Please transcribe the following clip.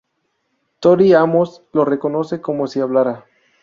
Tori Amos lo recorre como si hablara.